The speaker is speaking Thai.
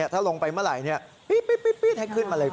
ถ้าลงไปเมื่อไหร่ปี๊ดให้ขึ้นมาเลย